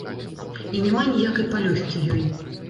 І няма ніякай палёгкі ёй.